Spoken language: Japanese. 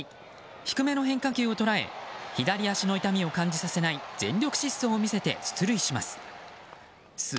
低めの変化球を捉え左足の痛みを感じさせない全力疾走を見せて出塁します。